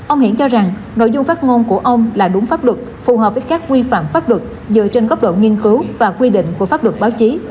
ông hiển cho rằng nội dung phát ngôn của ông là đúng pháp luật phù hợp với các quy phạm pháp luật dựa trên góc độ nghiên cứu và quy định của pháp luật báo chí